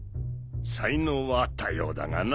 才能はあったようだがな。